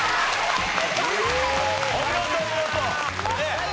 お見事お見事！